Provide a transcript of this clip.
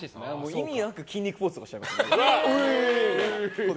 意味なく筋肉ポーズとかしちゃいますもん。